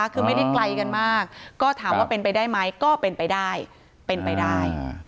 คือไม่ได้ไกลกันมากก็ถามว่าเป็นไปได้ไหมก็เป็นไปได้เป็นไปได้